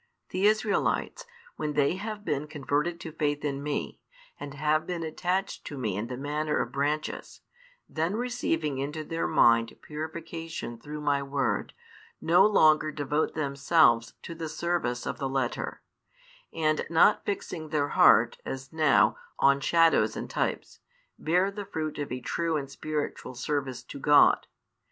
The Israelites, when they have been converted to faith in Me, and have been attached to Me in the manner of branches, then receiving into their mind purification through My Word, no longer devote themselves to the service of the letter; and not fixing their heart, as now, on shadows and types, bear the fruit of a true and spiritual service to God.